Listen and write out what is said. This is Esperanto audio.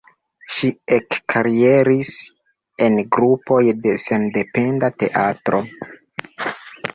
Ŝi ekkarieris en grupoj de sendependa teatro.